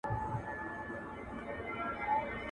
لا به تر څو دا سرې مرمۍ اورېږي.